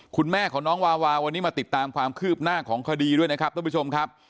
คุณแม่ของน้องวาวาวันนี้มาติดตามความคืบหน้าของคดีด้วยนะครับท่านผู้ชมครับ